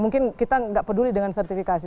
mungkin kita nggak peduli dengan sertifikasi